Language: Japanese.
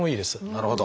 なるほど。